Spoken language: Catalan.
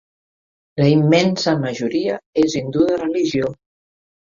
La immensa majoria és hindú de religió.